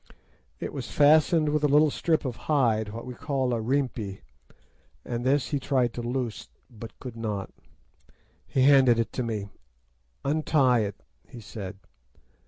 It was fastened with a little strip of hide, what we call a rimpi, and this he tried to loose, but could not. He handed it to me. 'Untie it,' he said.